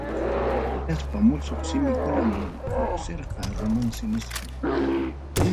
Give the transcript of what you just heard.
Hinaspa musuq simikunam lluqsirqa, romance nisqan.